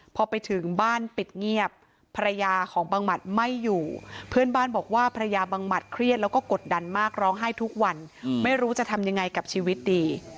พอไปถึงบ้านปิดเงียบภรรยาของบังหมัดไม่อยู่เพื่อนบ้านบอกว่าภรรยาบังหมัดเครียดแล้วก็กดดันมากร้องไห้ทุกวันไม่รู้จะทำยังไงกับชีวิตดี